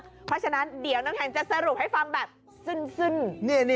เพราะฉะนั้นเดี๋ยวน้ำแข็งจะสรุปให้ฟังแบบซึ่น